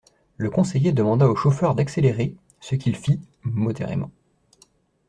Le conseiller demanda au chauffeur d’accélérer, ce qu’il fit, modérément.